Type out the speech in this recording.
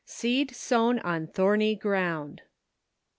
SEED SOWN ON THOBNY GROUND.